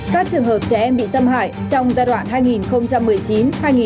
các trường hợp trẻ em bị xâm hại trong giai đoạn hai nghìn một mươi chín hai nghìn hai mươi